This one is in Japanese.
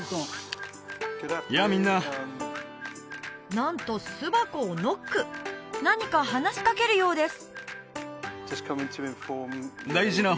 なんと巣箱をノック何か話しかけるようです